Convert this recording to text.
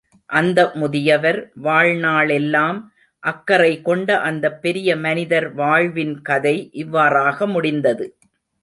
அந்த முதியவர், வாழ்நாளெல்லால் அக்கறை கொண்ட அந்தப்பெரிய மனிதர் வாழ்வின் கதை இவ்வாறாக முடிந்தது.